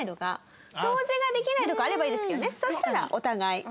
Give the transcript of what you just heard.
そしたらお互い。